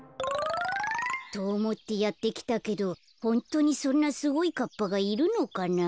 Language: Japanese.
とおもってやってきたけどホントにそんなすごいカッパがいるのかな？